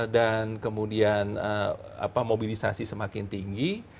dan kemudian mobilisasi semakin tinggi